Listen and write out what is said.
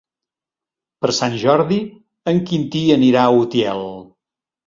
Per Sant Jordi en Quintí anirà a Utiel.